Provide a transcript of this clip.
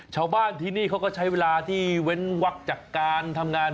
ชาวบ้านที่นี่เขาก็ใช้เวลาที่เว้นวักจากการทำงาน